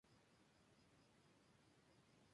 Filón de Alejandría y Flavio Josefo aceptaron estas ideas.